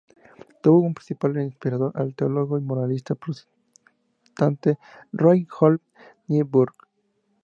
Tuvo como principal inspirador al teólogo y moralista protestante Reinhold Niebuhr.